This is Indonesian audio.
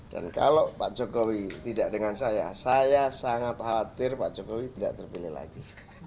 dan kalau pak jokowi tidak dengan saya saya sangat khawatir pak jokowi tidak terpilih lagi